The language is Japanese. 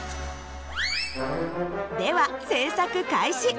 では製作開始。